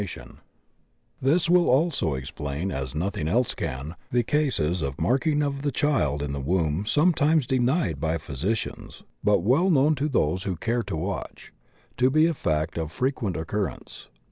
ORIGIN OF BIRTH MARKS 41 This will also explain, as nothing else can, the cases of marking of the child in the womb sometimes de nied by physicians but well known by those who care to watch, to be a fact of frequent occurrence.